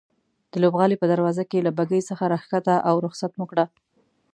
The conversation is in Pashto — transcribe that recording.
د لوبغالي په دروازه کې له بګۍ څخه راکښته او رخصت مو کړه.